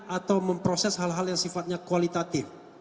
atau memproses hal hal yang sifatnya kualitatif